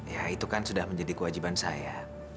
ya itu kan sudah menjadi kewajiban saya